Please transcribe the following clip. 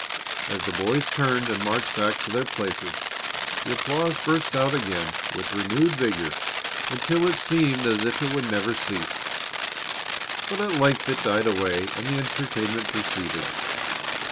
As the boys turned and marched back to their places the applause burst out again with renewed vigor until it seemed as if it would never cease. But at length it died away and the entertainment proceeded.